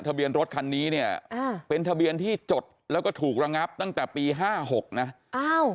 ทะเบียนรถคันนี้เนี่ยอ่าเป็นทะเบียนที่จดแล้วก็ถูกระงับตั้งแต่ปีห้าหกนะอ้าว